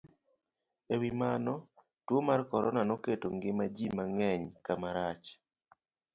E wi mano, tuwo mar corona noketo ngima ji mang'eny kama rach,